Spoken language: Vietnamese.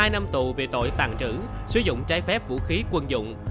hai năm tù về tội tàn trữ sử dụng trái phép vũ khí quân dụng